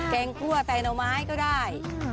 แกงกลัวแต่น้ำไม้ก็ได้